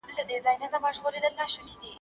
ما د سبا لپاره د ژبي تمرين کړی دی..